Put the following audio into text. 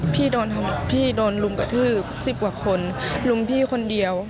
พี่โดนลุมกระทืบสิบกว่าคนลุมพี่คนเดียว